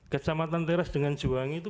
kecamatan teras dengan juwangi itu